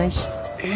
えっ？